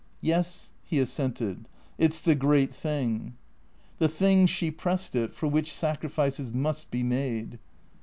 " Yes," he assented, " it 's the great thing." THECREATOES 355 "The thing" (she pressed it) "for which sacrifices must be made."